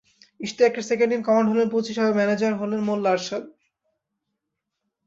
ইশতিয়াকের second in command হলেন পঁচিশ আর ম্যানেজার হলেন মোল্লা আরশাদ।